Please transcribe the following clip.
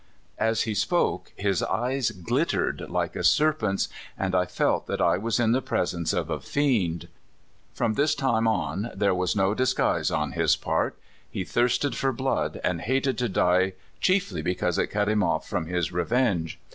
" As he spoke his eye glittered like a serpent's, and I felt that I was in the presence of a fiend. From this time on there was no disguise on his part; he thirsted for blood, and hated to die chiefly because it cut him off from his revenge.